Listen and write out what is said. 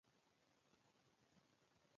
اسلامي حکومت ستنې ټینګې کړې.